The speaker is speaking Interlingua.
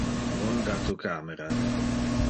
Munde tu camera.